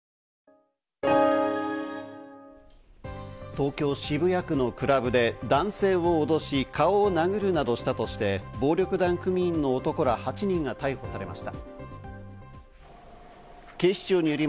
東京・渋谷区のクラブで男性を脅し、顔を殴るなどしたとして暴力団組員の男ら８人が逮捕されました。